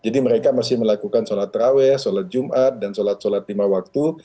jadi mereka harus melakukan sholat terawih sholat jumat dan sholat sholat lima waktu